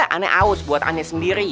aneh aus buat aneh sendiri